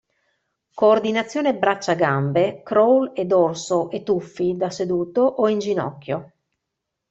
Coordinazione braccia-gambe crawl e dorso e tuffi da seduto o in ginocchio.